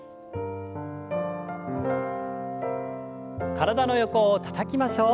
体の横をたたきましょう。